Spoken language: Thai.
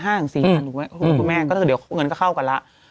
คุณแม่ก็เดี๋ยวเงินก็เข้ากันแล้ว